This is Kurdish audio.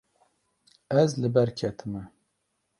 Ez li ber ketime.